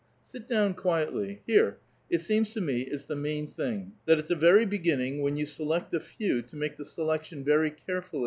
Sit down quietly. Here, it seems to me, is the main thing : that at the very beginning, when you select a few, to make the selection verv carefuUv.